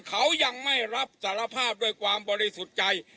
เขายังไม่รับสารภาพด้วยความบริสุทธิ์ใจ